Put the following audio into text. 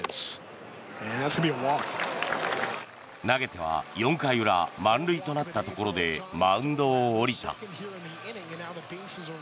投げては４回裏満塁となったところでマウンドを降りた。